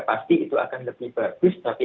pasti itu akan lebih bagus tapi